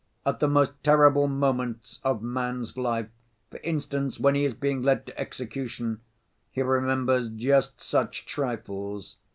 At the most terrible moments of man's life, for instance when he is being led to execution, he remembers just such trifles.